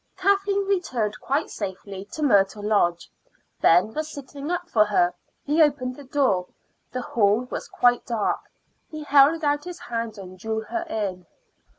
Kathleen returned quite safely to Myrtle Lodge. Ben was sitting up for her; he opened the door. The hall was quite dark. He held out his hand and drew her in.